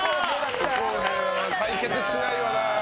解決しないな。